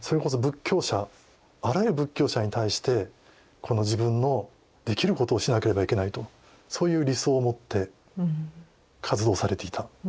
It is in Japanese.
あらゆる仏教者に対してこの自分のできることをしなければいけないとそういう理想をもって活動されていた。